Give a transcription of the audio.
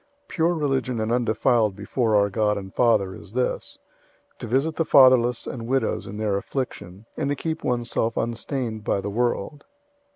001:027 Pure religion and undefiled before our God and Father is this: to visit the fatherless and widows in their affliction, and to keep oneself unstained by the world.